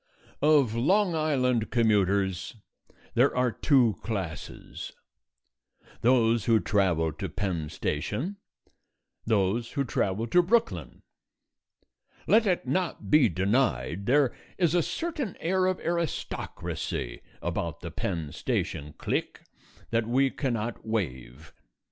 Of Long Island commuters there are two classes: those who travel to Penn Station, those who travel to Brooklyn. Let it not be denied, there is a certain air of aristocracy about the Penn Station clique that we cannot waive.